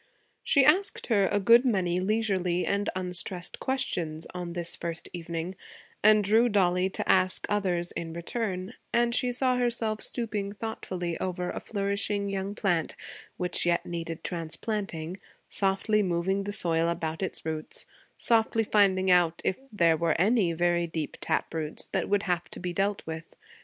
She asked her a good many leisurely and unstressed questions on this first evening, and drew Dollie to ask others in return; and she saw herself stooping thoughtfully over a flourishing young plant which yet needed transplanting, softly moving the soil about its roots, softly finding out if there were any very deep tap root that would have to be dealt with.